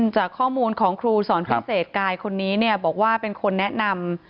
จากข้อมูลของครูสอนพิเศษกายคนนี้เนี่ยบอกว่าเป็นคนแนะนำ